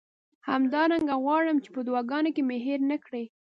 همدارنګه غواړم چې په دعاګانو کې مې هیر نه کړئ.